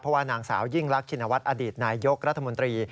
เพราะว่านางสาวยิ่งรักชินวัฒน์อดีตนายยกรัฐมนตรี